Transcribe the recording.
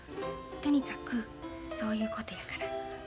とにかくそういうことやから。